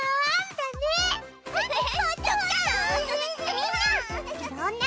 みんな！